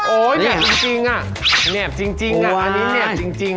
แนบจริงอ่ะแหนบจริงอันนี้แนบจริง